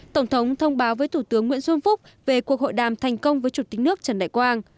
tổng thống thông báo với thủ tướng nguyễn xuân phúc về cuộc hội đàm thành công với chủ tịch nước trần đại quang